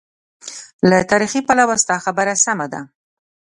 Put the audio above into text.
له تاریخي پلوه ستا خبره سمه ده.